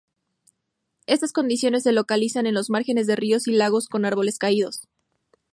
Estas condiciones se localizan en los márgenes de ríos y lagos con árboles caídos.